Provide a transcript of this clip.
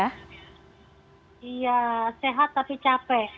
iya sehat tapi capek